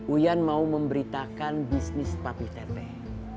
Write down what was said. uyan mau memberitakan bisnis papih teteh